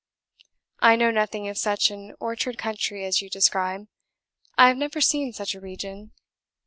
"I know nothing of such an orchard country as you describe. I have never seen such a region.